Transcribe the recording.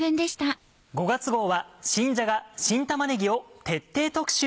５月号は新じゃが新玉ねぎを徹底特集。